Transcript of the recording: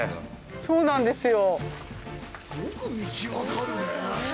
そうなんですよ。